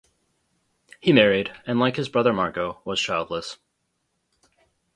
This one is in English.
He married, and like his brother, Marco, was childless.